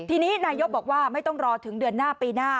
ทีนี้นายกบอกว่าไม่ต้องรอถึงเดือนหน้าปีหน้า